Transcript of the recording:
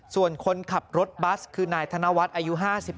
ส่วนคนขับรถบัสคือนายธนวัฒน์อายุ๕๗